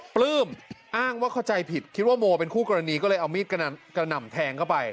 ปลื้มอ้างว่าเข้าใจผิดคิดว่าโมเป็นคู่กรณีก็เลยเอามีดกระหน่ำแทงเข้าไป